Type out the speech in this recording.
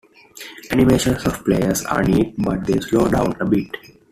Animations of players are neat, but they slow down a bit.